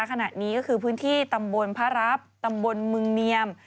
ขณะนี้ก็คือพื้นที่ตำบลพระรับตำบลเมืองเนียม